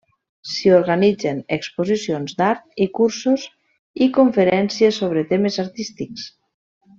S'hi organitzen exposicions d'art i cursos i conferències sobre temes artístics.